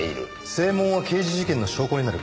声紋は刑事事件の証拠になる。